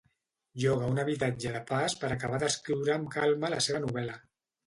Lloga un habitatge de pas per acabar d'escriure amb calma la seva novel·la.